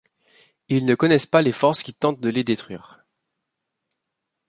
Ils ne connaissent pas les forces qui tentent de les détruire.